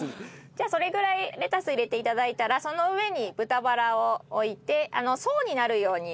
じゃあそれぐらいレタス入れて頂いたらその上に豚バラを置いて層になるように。